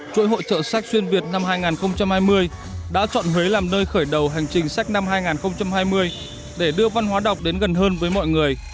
chuỗi hội trợ sách xuyên việt năm hai nghìn hai mươi đã chọn huế làm nơi khởi đầu hành trình sách năm hai nghìn hai mươi để đưa văn hóa đọc đến gần hơn với mọi người